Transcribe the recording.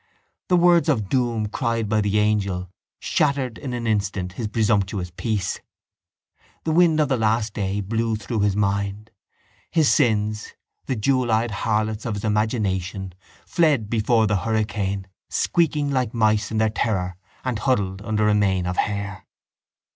The words of doom cried by the angel shattered in an instant his presumptuous peace. The wind of the last day blew through his mind; his sins, the jeweleyed harlots of his imagination, fled before the hurricane, squeaking like mice in their terror and huddled under a mane of hair.